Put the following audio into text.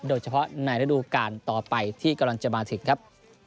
โดยเฉพาะในระดูการต่อไปที่กำลังจะมาถึงครับ